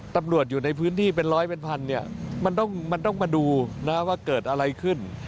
ตำรวจอยู่ในพื้นที่เป็นร้อยเป็นพันเนี่ยมันต้องมาดูนะว่าเกิดอะไรขึ้น